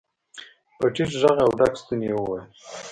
په ټيټ غږ او ډک ستوني يې وويل.